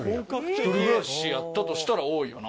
１人暮らしやったとしたら多いよな。